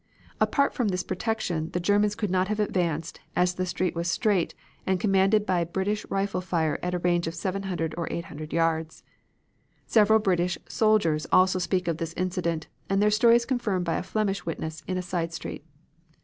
Apart from this protection, the Germans could not have advanced, as the street was straight and commanded by the British rifle fire at a range of 700 or 800 yards. Several British soldiers also speak of this incident, and their story is confirmed by a Flemish witness in a side street."